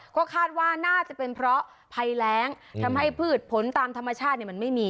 ก็คาดว่าน่าจะเป็นเพราะภัยแรงทำให้พืชผลตามธรรมชาติมันไม่มี